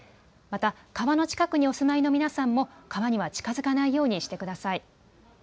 また川の近くにお住まいの皆さんも川には近づかないようにしてください。